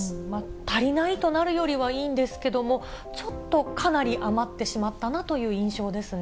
足りないとなるよりはいいんですけども、ちょっとかなり余ってしまったなという印象ですね。